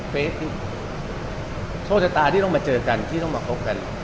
เฟสคือโชคชะตาที่ต้องมาเจอกันที่ต้องมาคบกัน